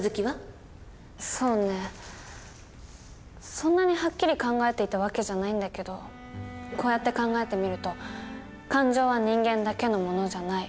そんなにはっきり考えていた訳じゃないんだけどこうやって考えてみると「感情は人間だけのものじゃない。